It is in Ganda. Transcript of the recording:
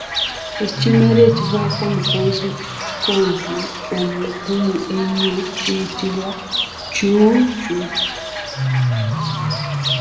Ekimera ekivaako mukonzikonzi omugumu ennyo kiyitibwa Ccuucu